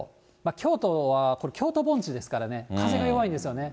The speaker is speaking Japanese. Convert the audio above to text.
京都はこれ、京都盆地ですからね、風が弱いんですよね。